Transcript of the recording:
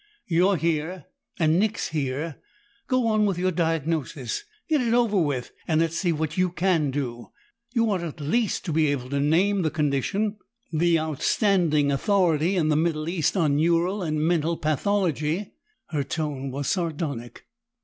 "You're here and Nick's here! Go on with your diagnosis; get it over with, and let's see what you can do. You ought at least to be able to name the condition the outstanding authority in the Middle West on neural and mental pathology!" Her tone was sardonic.